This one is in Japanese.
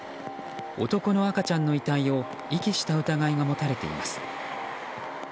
男の赤ちゃんの遺体を遺棄した疑いが持たれています。